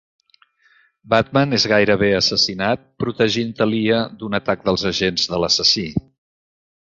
Batman és gairebé assassinat protegint Talia d'un atac dels agents de l'assassí.